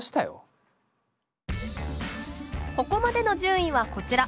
ここまでの順位はこちら。